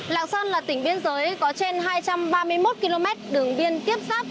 lạng sơn là tỉnh biên giới có trên hai trăm ba mươi một km đường biên tiếp giáp